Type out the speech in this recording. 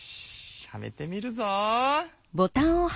はめてみるぞ。